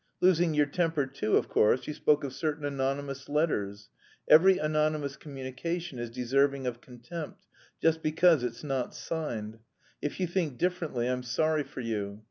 Losing your temper too, of course, you spoke of certain anonymous letters. Every anonymous communication is deserving of contempt, just because it's not signed. If you think differently I'm sorry for you.